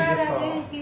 元気。